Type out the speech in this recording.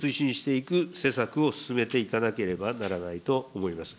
これを推進していく施策を進めていかなければならないと思います。